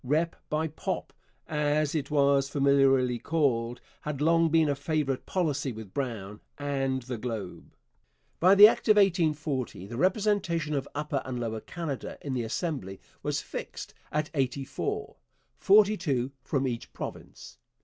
'Rep. by Pop.,' as it was familiarly called, had long been a favourite policy with Brown and the Globe. By the Union Act of 1840 the representation of Upper and Lower Canada in the Assembly was fixed at eighty four, forty two from each province.